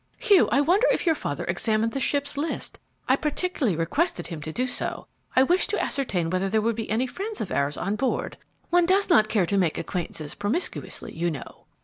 Hugh, I wonder if your father examined the ship's list. I particularly requested him to do so. I wished to ascertain whether there would be any friends of ours on board. One does not care to make acquaintances promiscuously, you know."